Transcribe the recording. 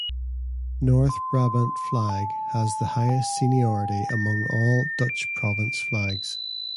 North Brabant flag has the highest seniority among all Dutch province flags.